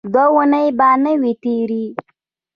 دوه اوونۍ به نه وې تېرې.